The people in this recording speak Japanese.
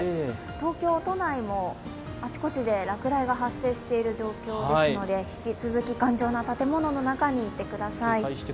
東京都内も、あちこちで落雷が発生している状況なので、引き続き頑丈な建物の中にいてください。